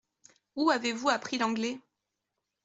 Où avez-vous appris l’anglais ?